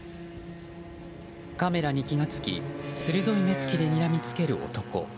カメラに気が付き鋭い目つきでにらみつける男。